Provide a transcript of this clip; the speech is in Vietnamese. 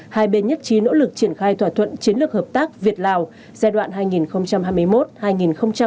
hai bên nhất trí nỗ lực triển khai thỏa thuận chiến lược hợp tác việt lào giai đoạn hai nghìn hai mươi một hai nghìn hai mươi năm